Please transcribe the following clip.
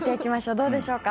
どうでしょうか。